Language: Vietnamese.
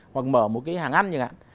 hoặc mở một cái hàng ăn chẳng hạn